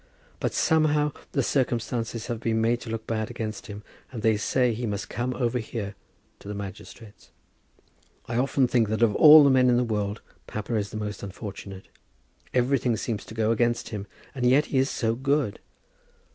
But, somehow, the circumstances have been made to look bad against him, and they say that he must come over here to the magistrates. I often think that of all men in the world papa is the most unfortunate. Everything seems to go against him, and yet he is so good!